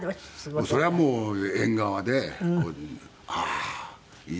そりゃもう縁側で「ああーいいね。